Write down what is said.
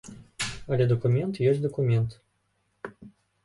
Але дакумент ёсць дакумент.